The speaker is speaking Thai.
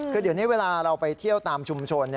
คือเดี๋ยวนี้เวลาเราไปเที่ยวตามชุมชน